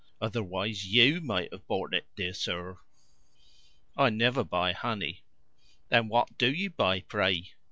Otherwise YOU might have bought it, dear sir." "I never buy honey." "Then WHAT do you buy, pray?